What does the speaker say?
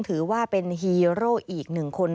ถือว่าเป็นฮีโร่อีกหนึ่งคน